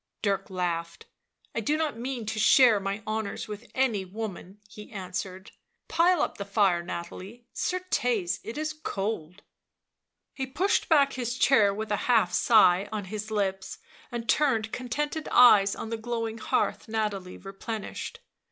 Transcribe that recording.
Dirk laughed. " I do not mean to share my honours with any — woman," he answered; " pile up the fire, Nahalie, certes, it is cold." He pushed back his chair with a half sigh on his lips, and turned contented eyes on the glowing hearth Nathalie replenished.